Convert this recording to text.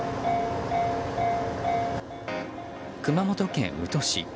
熊本県宇土市。